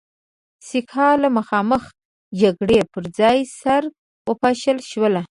سیکهان له مخامخ جګړې پر ځای سره وپاشل شول.